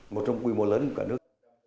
một trong quy mô lớn của cả nước